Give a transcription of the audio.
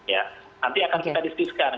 nanti akan kita diskiskan